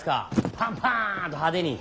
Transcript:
パンパンと派手に。